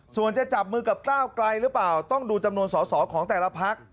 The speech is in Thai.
ส่วนจะจับมือกับก้าวไกลหรือเปล่าต้องดูจำนวนสอสอของแต่ละพัก